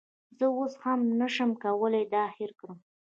زه اوس هم نشم کولی دا هیر کړم